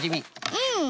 うん！